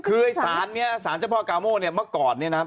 คือสารเจ้าพ่อกาโม้เนี่ยเมื่อก่อนเนี่ยนะ